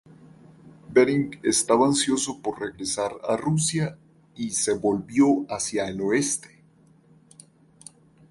Bering estaba ansioso por regresar a Rusia y se volvió hacia el oeste.